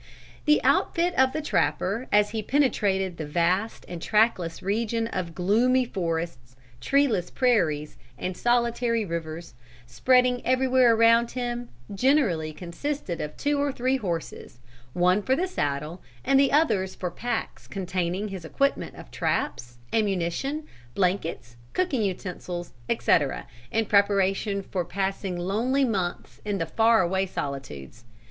The outfit of the trapper as he penetrated the vast and trackless region of gloomy forests, treeless prairies, and solitary rivers, spreading everywhere around him, generally consisted of two or three horses, one for the saddle and the others for packs containing his equipment of traps, ammunition, blankets, cooking utensils, etc., in preparation for passing lonely months in the far away solitudes.